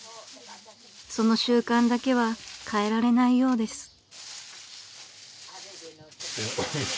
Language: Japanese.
［その習慣だけは変えられないようです］